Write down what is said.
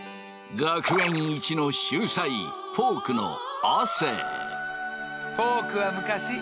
学園一の秀才フォークの亜生。